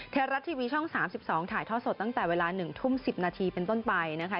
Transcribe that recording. ไทยรัฐทีวีช่อง๓๒ถ่ายท่อสดตั้งแต่เวลา๑ทุ่ม๑๐นาทีเป็นต้นไปนะคะ